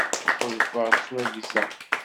Ḥulfaɣ ttwaggzeɣ.